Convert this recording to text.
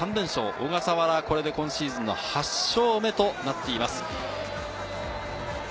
小笠原は今シーズン８勝目となっています。